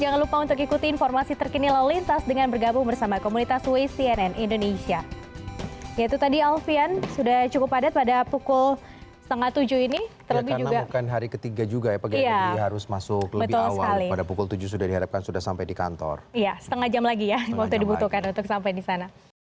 jangan lupa untuk ikuti informasi terkini lelintas dengan bergabung bersama komunitas waze cnn indonesia